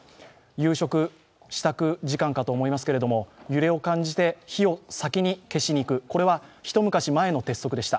夕食支度時間かと思いますけれども揺れを感じて、火を先に消しにいくこれは一昔前の鉄則でした。